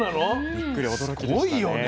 びっくり驚きでしたね。